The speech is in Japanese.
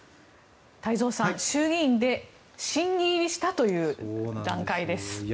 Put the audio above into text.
太蔵さん、衆議院で審議入りしたという段階です。